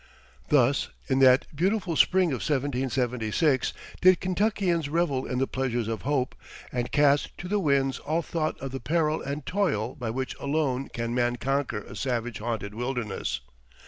Thus, in that beautiful spring of 1776, did Kentuckians revel in the pleasures of hope, and cast to the winds all thought of the peril and toil by which alone can man conquer a savage haunted wilderness.